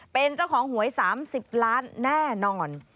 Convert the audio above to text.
เป็นเจ้าของหวย๓๐ล้านแน่นอน